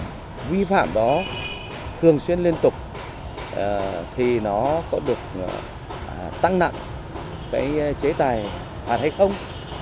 thế rồi cái việc vi phạm đó thường xuyên liên tục thì nó có được tăng nặng cái chế tài hoạt hay không